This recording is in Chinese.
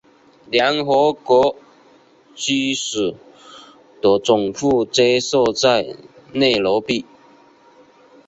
联合国人居署的总部皆设在内罗毕。